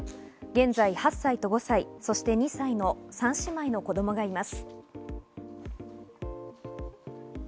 現在８歳と５歳そして２歳の３姉妹の子供がいます。